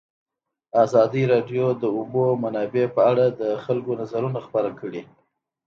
ازادي راډیو د د اوبو منابع په اړه د خلکو نظرونه خپاره کړي.